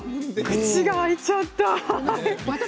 口が開いちゃった。